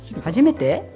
初めて？